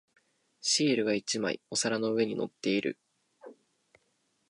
シールが一枚お皿の上に乗っている。